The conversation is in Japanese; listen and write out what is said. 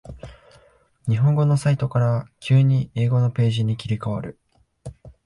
日本語のサイトから急に英語のページに切り替わる